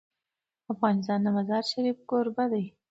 افغانستان د مزارشریف کوربه دی.